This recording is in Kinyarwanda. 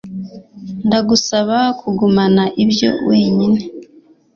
Ndagusaba kugumana ibyo wenyine.